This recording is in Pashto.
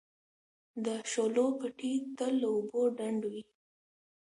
د شولو پټي تل له اوبو ډنډ وي.